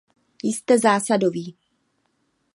Jste zásadový.